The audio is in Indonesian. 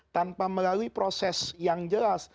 tanpa melalui proses yang jelas